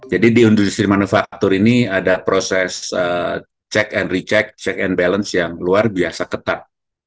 jadi di industri manufaktur ini ada proses check and recheck check and balance yang luar biasa ketat